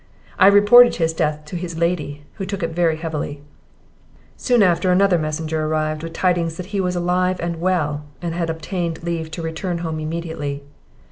I reported his death to his Lady, who took it very heavily. "Soon after a messenger arrived with tidings that he was alive and well, and had obtained leave to return home immediately.